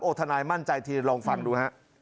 ทนายมั่นใจทีลองฟังดูฮะ